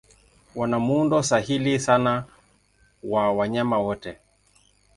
Wana muundo sahili sana wa wanyama wote.